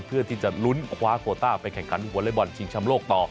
เพื่อที่จะลุ้นคว้าโคต้าไปแข่งขันวอเล็กบอลชิงชำโลกต่อ